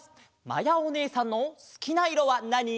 まやおねえさんのすきないろはなに？